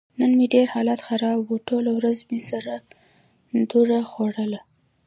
نن مې ډېر حالت خراب و. ټوله ورځ مې سره دوره خوړله.